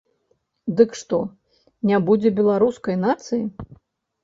Дык што, не будзе беларускай нацыі?